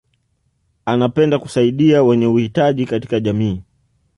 anapenda kusaidia wenye uhitaji katika jamii